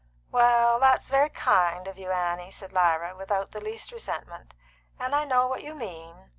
"Well, that's very kind of you, Annie," said Lyra, without the least resentment. "And I know what you mean.